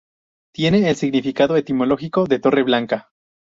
Tiene el significado etimológico de "torre blanca".